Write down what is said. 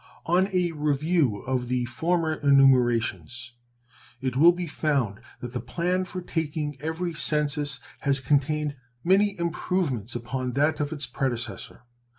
On a review of the former enumerations it will be found that the plan for taking every census has contained many improvements upon that of its predecessor.